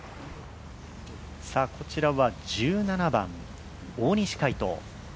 こちらは１７番、大西魁斗。